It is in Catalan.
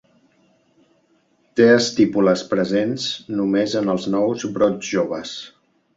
Té estípules presents només en els nous brots joves.